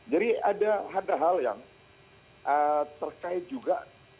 jadi ada hal hal yang terkait juga